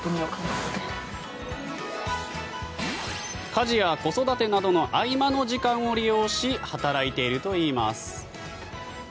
家事や子育てなどの合間の時間を利用し働いているといいます。